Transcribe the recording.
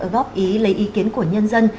góp ý lấy ý kiến của nhân dân